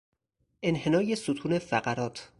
انحنای ستون فقرات